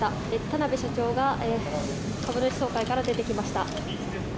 田邊社長が株主総会から出てきました。